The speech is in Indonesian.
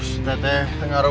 ya allah tuhan yang maha